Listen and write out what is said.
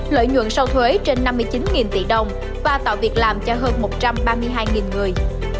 lợi nhuận sau thuế trên năm mươi chín tỷ đồng và tạo việc làm cho hơn một trăm ba mươi hai người